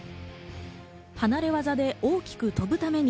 離れ技で大きく飛ぶために